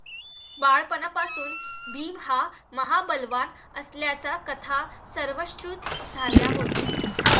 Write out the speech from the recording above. बाळपणापासून भीम हा महाबलवान असल्याच्या कथा सर्वश्रुत झाल्या होत्या.